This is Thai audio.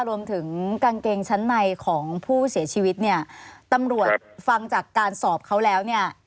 รวมถึงกางเกงชั้นในของผู้เสียชีวิตเนี่ยตำรวจฟังจากการสอบเขาแล้วเนี่ย